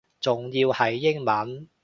仲要係英文